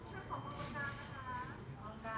ขอขอบคุณหน่อยนะคะ